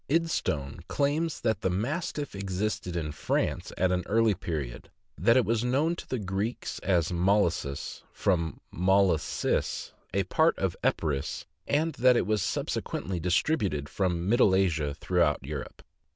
" Idstone " claims that the Mastiff existed in France at an early period; that it was known to the Greeks as Molossus, from Molossis, a part of Epirus, and that it was subsequently distributed from Middle Asia throughout Europe.